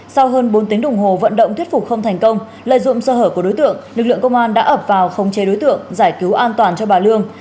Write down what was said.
sau hơn bốn tiếng đồng hồ vận động thuyết phục không thành công lợi dụng sơ hở của đối tượng lực lượng công an đã ập vào khống chế đối tượng giải cứu an toàn cho bà lương